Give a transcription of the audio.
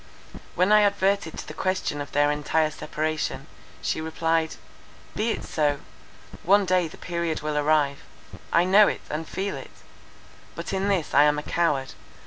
When I adverted to the question of their entire separation, she replied: "Be it so! One day the period will arrive; I know it, and feel it. But in this I am a coward.